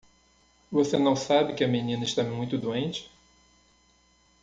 Você não sabe que a menina está muito doente?